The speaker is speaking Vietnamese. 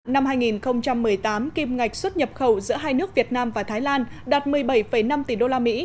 năm hai nghìn một mươi tám kim ngạch xuất nhập khẩu giữa hai nước việt nam và thái lan đạt một mươi bảy năm tỷ đô la mỹ